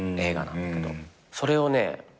それをね